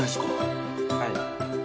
はい。